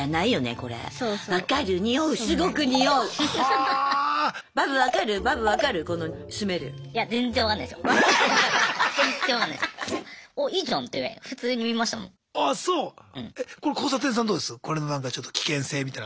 この何かちょっと危険性みたいな。